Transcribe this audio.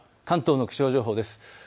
関東の気象情報です。